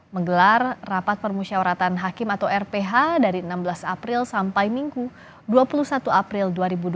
menggelar rapat permusyawaratan hakim atau rph dari enam belas april sampai minggu dua puluh satu april dua ribu dua puluh